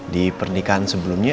di pernikahan sebelumnya